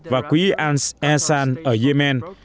và quỹ al essan ở yemen